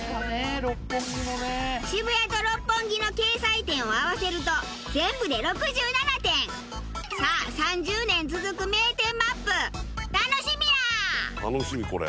渋谷と六本木の掲載店を合わせるとさあ３０年続く名店ＭＡＰ楽しみや！